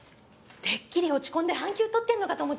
てっきり落ち込んで半休取ってるのかと思っちゃった。